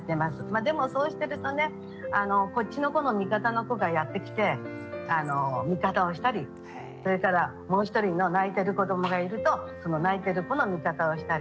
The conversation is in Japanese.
まあでもそうしてるとねこっちの子の味方の子がやって来て味方をしたりそれからもう一人の泣いてる子どもがいるとその泣いてる子の味方をしたり。